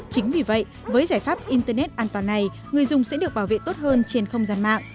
chính vì vậy với giải pháp internet an toàn này người dùng sẽ được bảo vệ tốt hơn trên không gian mạng